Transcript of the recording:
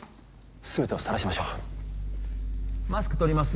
全てをさらしましょうマスク取りますよ